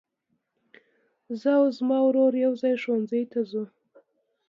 زه او زما ورور يوځای ښوونځي ته ځو.